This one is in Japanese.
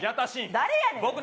誰やねん！